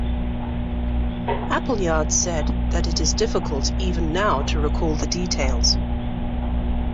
Appleyard said that It is difficult even now to recall the details.